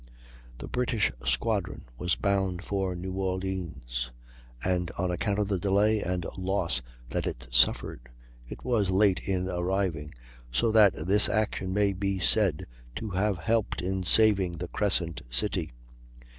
The British squadron was bound for New Orleans, and on account of the delay and loss that it suffered, it was late in arriving, so that this action may be said to have helped in saving the Crescent City.